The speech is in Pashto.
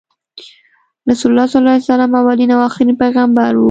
رسول الله ص اولین او اخرین پیغمبر وو۔